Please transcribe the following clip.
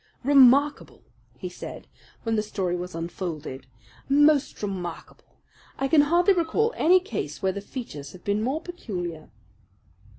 "Remarkable!" he said, when the story was unfolded, "most remarkable! I can hardly recall any case where the features have been more peculiar."